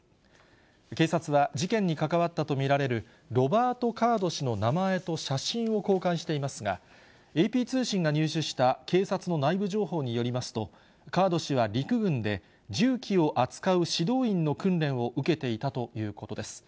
警察は事件に関わったと見られるロバート・カード氏の名前と写真を公開していますが、ＡＰ通信が入手した警察の内部情報によりますと、カード氏は陸軍で、銃器を扱う指導員の訓練を受けていたということです。